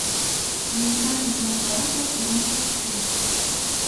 На экраны кінатэатраў выйшаў фільм.